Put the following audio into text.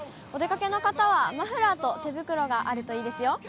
お出かけの方は、マフラーと手袋があるといいですよ。